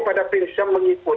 pada prinsip mengikuti aturan